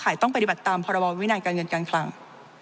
ต้องปฏิบัติตามพรบวินัยการเงินการคลัง